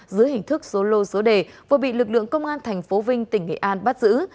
dưới hình thức số lô số đề vừa bị lực lượng công an tp hcm tỉnh nghệ an bắt giữ